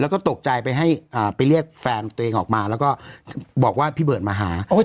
แล้วก็ตกใจไปให้ไปเรียกแฟนตัวเองออกมาแล้วก็บอกว่าพี่เบิร์ดมาหา